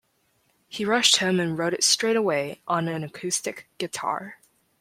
He rushed home and wrote it straight away on an acoustic guitar.